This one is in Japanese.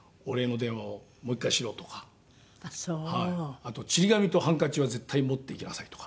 あと「ちり紙とハンカチは絶対持っていきなさい」とか。